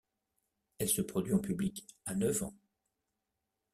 Elle se produit en public à neuf ans.